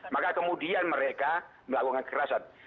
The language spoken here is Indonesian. maka kemudian mereka melakukan kekerasan